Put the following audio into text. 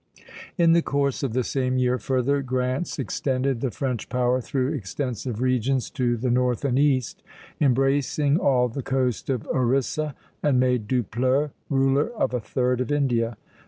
In the course of the same year further grants extended the French power through extensive regions to the north and east, embracing all the coast of Orissa, and made Dupleix ruler of a third of India.